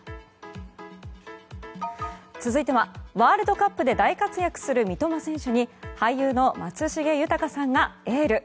続いてはワールドカップで大活躍する三笘選手に俳優の松重豊さんがエール。